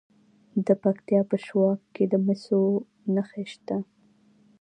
د پکتیا په شواک کې د مسو نښې شته.